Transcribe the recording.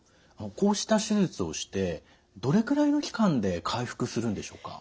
こうした手術をしてどれくらいの期間で回復するんでしょうか。